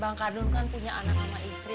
bang kardun kan punya anak sama istri